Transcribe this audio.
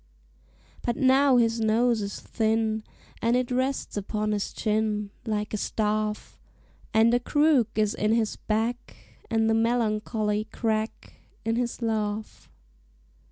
But now his nose is thin, And it rests upon his chin Like a staff; And a crook is in his back, And the melancholy crack In his laugh.